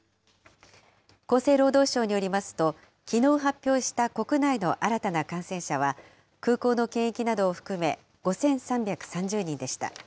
厚生労働省によりますと、きのう発表した国内の新たな感染者は、空港の検疫などを含め、５３３０人でした。